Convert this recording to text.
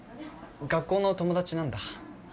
学校の友達なんだ。